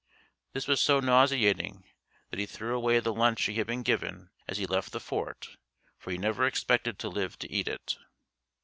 This was so nauseating that he threw away the lunch he had been given as he left the fort for he never expected to live to eat it.